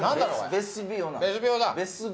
ベスビオ味。